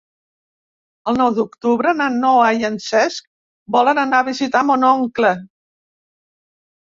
El nou d'octubre na Noa i en Cesc volen anar a visitar mon oncle.